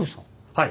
はい。